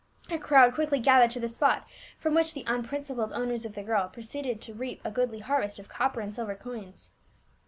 A crowd quickly gathered to the spot, from which the unprincipled owners of the girl proceeded to reap a goodly harvest of copper and silver coins.